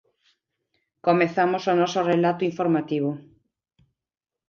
Comezamos o noso relato informativo.